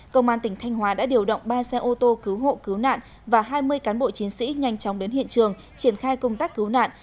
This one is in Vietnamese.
công an tỉnh thanh hóa đã điều động ba xe ô tô cứu hộ cứu nạn và hai mươi cán bộ chiến sĩ nhanh chóng đến hiện trường triển khai công tác cứu nạn